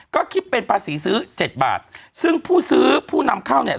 ก็คิดเป็นภาษีซื้อเจ็ดบาทซึ่งผู้ซื้อผู้นำเข้าเนี่ย